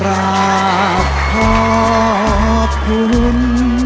รับขอบคุณ